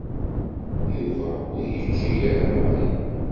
Yuba ur yeǧǧi ara Mary.